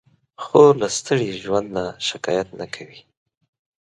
خور له ستړي ژوند نه شکایت نه کوي.